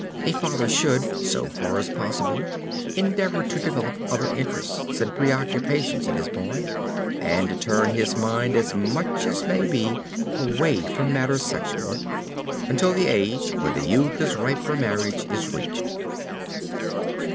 A father should, so far as possible, endeavor to develop other interests and preoccupations in his boy, and turn his mind as much as may be away from matters sexual, until the age when the youth is ripe for marriage is reached.